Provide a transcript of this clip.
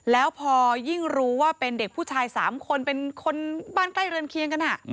แล้วพอยิ่งรู้ว่าเป็นเด็กผู้ชาย๓คนเป็นคนบ้านใกล้เรือนเคียงกัน